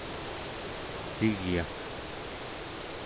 cigyak